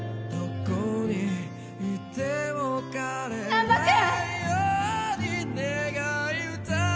難破君！